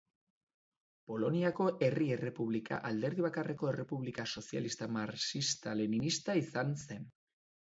Poloniako Herri Errepublika alderdi bakarreko errepublika sozialista marxista-leninista izan zen.